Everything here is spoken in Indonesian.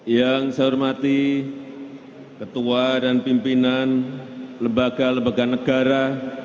yang saya hormati ketua dan pimpinan lembaga lembaga negara